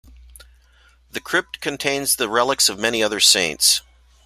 The crypt contains the relics of many other saints.